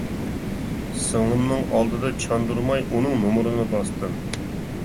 سىڭلىمنىڭ ئالدىدا چاندۇرماي ئۇنىڭ نومۇرىنى باستىم.